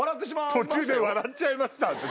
途中で笑っちゃいました私。